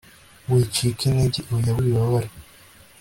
wicika intege, oya wibabara